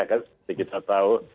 seperti kita tahu